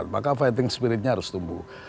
maka fighting spiritnya harus tumbuh